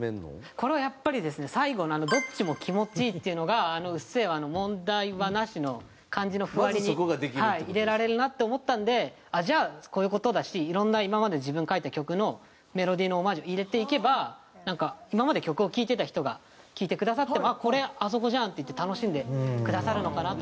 これはやっぱりですね最後の「どっちも気持ちいい」っていうのがあの『うっせぇわ』の「問題はナシ」の感じの譜割りに入れられるなって思ったんでじゃあこういう事だしいろんな今まで自分書いた曲のメロディーのオマージュ入れていけば今まで曲を聴いてた人が聴いてくださっても「これあそこじゃん」っていって楽しんでくださるのかなと。